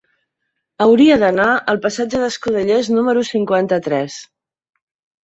Hauria d'anar al passatge d'Escudellers número cinquanta-tres.